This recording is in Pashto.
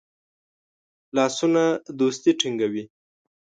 لاسونه دوستی ټینګوي